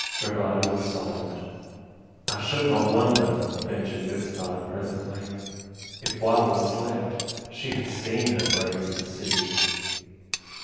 Rivardi was silent. "I should not wonder," ventured Gaspard, presently "if while we slept she had seen her 'Brazen City'!"